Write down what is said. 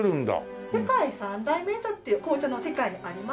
「世界三大銘茶」っていう紅茶の世界にありまして。